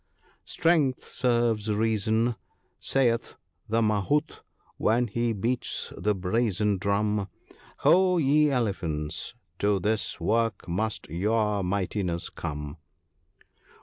— "Strength serves Reason. Siiilh the Mahout, when he beats the brazen drum, ' Ho ! ye elephants, to this work must your mightinesses come.'